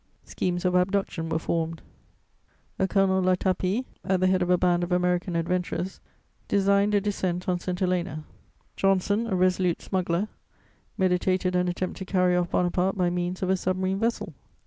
Schemes of abduction were formed: a Colonel Latapie, at the head of a band of American adventurers, designed a descent on St. Helena. Johnson, a resolute smuggler, meditated an attempt to carry off Bonaparte by means of a submarine vessel.